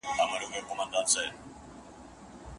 ویل ورکه یم په کورکي د رنګونو